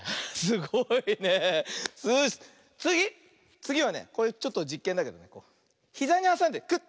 つぎはねちょっとじっけんだけどひざにはさんでクッ。